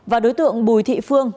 và đối tượng bùi thị phương